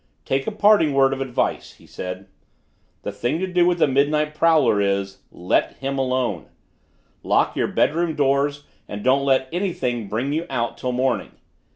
"Take a parting word of advice," he said. "The thing to do with a midnight prowler is let him alone. Lock your bedroom doors and don't let anything bring you out till morning."